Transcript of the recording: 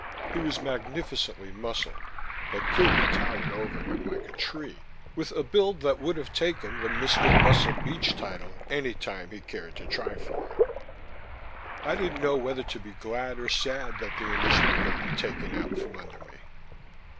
He was magnificently muscled but Qohey towered over him like a tree, with a build that would have taken the Mr. Muscle Beach title any time he cared to try for it. I didn't know whether to be glad or sad that the initiative had been taken out from under me.